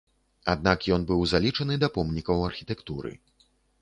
Аднак ён быў залічаны да помнікаў архітэктуры.